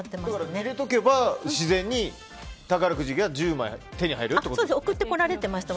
入れておけば自然に宝くじが１０枚手に入るってことですね。